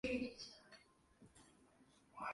Kucha refu.